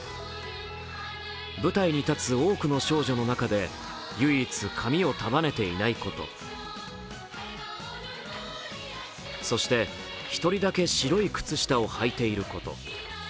舞台に立つ多くの少女の中で唯一髪を束ねていないこと、そして、１人だけ白い靴下を履いていること。